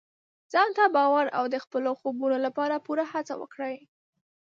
ځان ته باور او د خپلو خوبونو لپاره پوره هڅه وکړئ.